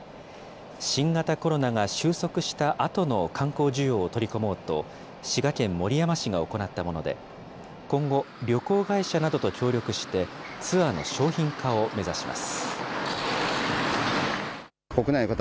新型コロナが終息したあとの観光需要を取り込もうと、滋賀県守山市が行ったもので、今後、旅行会社などと協力して、ツアーの商品化を目指します。